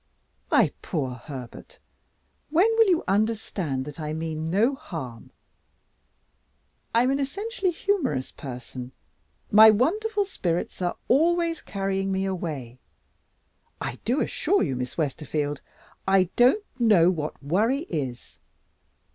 My poor Herbert, when will you understand that I mean no harm? I am an essentially humorous person; my wonderful spirits are always carrying me away. I do assure you, Miss Westerfield, I don't know what worry is.